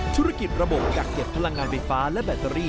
ธุรกิจระบบกักเก็บพลังงานไฟฟ้าและแบตเตอรี่